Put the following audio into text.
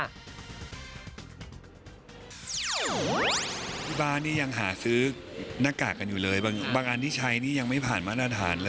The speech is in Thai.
ที่บ้านนี่ยังหาซื้อหน้ากากกันอยู่เลยบางอันที่ใช้นี่ยังไม่ผ่านมาตรฐานเลย